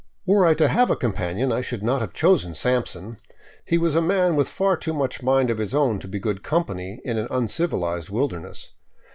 Were I to have a companion, I should not have chosen Sampson. He was a man with far too much mind of his own to be good com pany in an uncivilized wilderness.